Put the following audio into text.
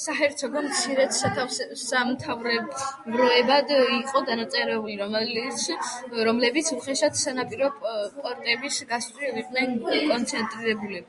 საჰერცოგო მცირე სამთავროებად იყო დანაწევრებული, რომლებიც უხეშად სანაპირო პორტების გასწვრივ იყვნენ კონცენტრირებული.